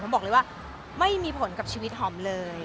บอกเลยว่าไม่มีผลกับชีวิตหอมเลย